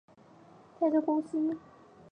她还在呼吸